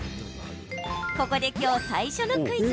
ここで、きょう最初のクイズ。